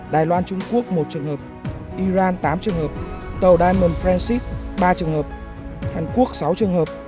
đài loan trung quốc một trường hợp iran tám trường hợp tàu diamond francis ba trường hợp hàn quốc sáu trường hợp